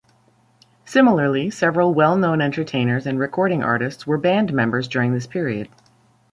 Similarly, several well-known entertainers and recording artists were band members during this period.